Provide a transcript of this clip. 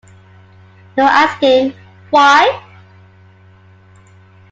No asking, Why?